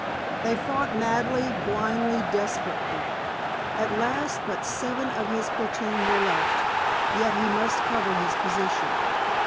They fought madly, blindly, desperately. At last but seven of his platoon were left; yet he must cover his position.